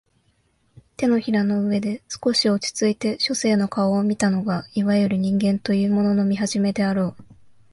掌の上で少し落ちついて書生の顔を見たのがいわゆる人間というものの見始めであろう